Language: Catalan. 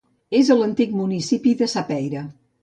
És a l'antic municipi de Sapeira.